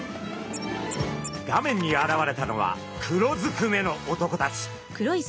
画面に現れたのは黒ずくめの男たち。